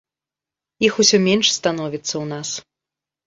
Іх усё менш становіцца ў нас.